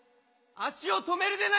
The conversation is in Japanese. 足を止めるでないぞ！